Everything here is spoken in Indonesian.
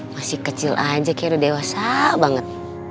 masih kecil aja kayaknya udah dewasa banget